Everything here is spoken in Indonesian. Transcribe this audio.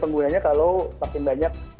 penggunanya kalau makin banyak